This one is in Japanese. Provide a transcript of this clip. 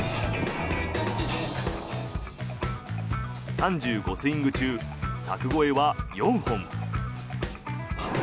３５スイング中柵越えは４本。